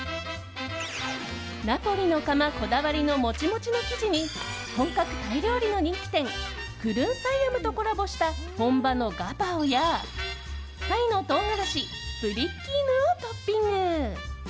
ナポリの窯こだわりのモチモチの生地に本格タイ料理の人気店クルン・サイアムとコラボした本場のガパオやタイの唐辛子プリッキーヌをトッピング。